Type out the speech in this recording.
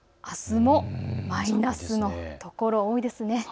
あすもマイナスの所、多いですね。